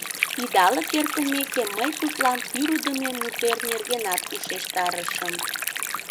Идалык эртымеке, мый тудлан пӱрыдымӧ мутер нергенат ушештарышым.